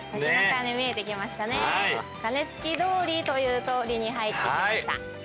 鐘つき通りという通りに入ってきました。